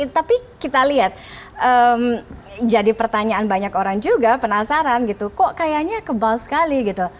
tapi kita lihat jadi pertanyaan banyak orang juga penasaran gitu kok kayaknya kebal sekali gitu